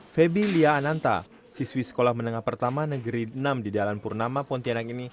febi lia ananta siswi sekolah menengah pertama negeri enam di jalan purnama pontianak ini